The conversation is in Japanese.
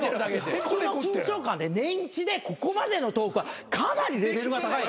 月の緊張感年１でここまでのトークはかなりレベルが高い。